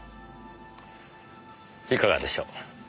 いかがでしょう。